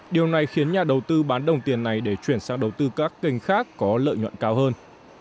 điều này khiến nhà đầu tư bán đồng tiền này để chuyển sang đầu tư các kênh khác có lợi nhuận cao hơn